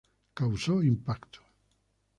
Causó impacto.